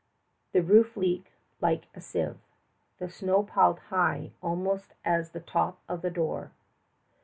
The roof leaked like a sieve. The snow piled high almost as the top of the door.